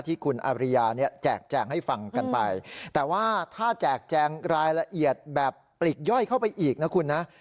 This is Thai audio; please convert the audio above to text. ที่คุณอาริยาเนี่ยแจกแจงให้ฟังกันไปแต่ว่าถ้าแจกแจงรายละเอียดแบบปลีกย่อยเข้าไปอีกนะคุณนะ